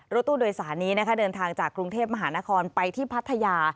รถตู้โดยสารนี้นะคะเดินทางจากกรุงเทพมหานครไปที่พัทยา